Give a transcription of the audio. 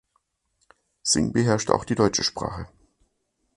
Singh beherrscht auch die Deutsche Sprache.